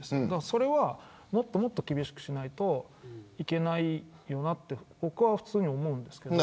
それは、もっと厳しくしないといけないよなと僕は普通に思うんですけど。